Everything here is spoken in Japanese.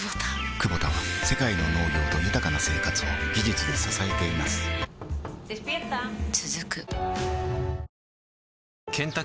クボタは世界の農業と豊かな生活を技術で支えています起きて。